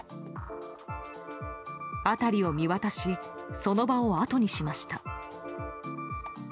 辺りを見渡しその場をあとにしました。